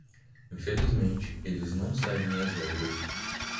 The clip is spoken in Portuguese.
Infelizmente eles não seguem as regras.